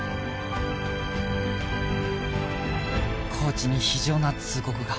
コーチに非情な通告が